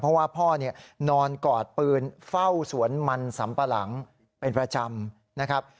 เพราะว่าพ่อนอนกอดปืนเฝ้าสวนมันสำปะหลังเป็นประจำนะครับ